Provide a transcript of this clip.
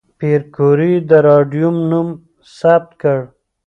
پېیر کوري د راډیوم نوم ثبت کړ.